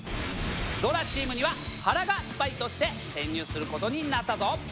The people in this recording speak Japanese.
ドラチームにははらがスパイとして潜入することになったぞ。